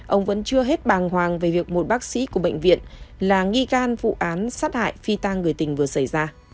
ông vẫn chưa hết bàng hoàng về việc một bác sĩ của bệnh viện là nghi can vụ án sát hại phi tang người tình vừa xảy ra